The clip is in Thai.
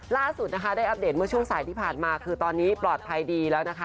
ล่าสุดนะคะได้อัปเดตเมื่อช่วงสายที่ผ่านมาคือตอนนี้ปลอดภัยดีแล้วนะคะ